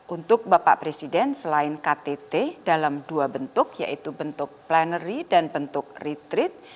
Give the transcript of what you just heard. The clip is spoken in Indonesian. untuk bapak presiden selain ktt dalam dua bentuk yaitu bentuk plenary dan bentuk retreat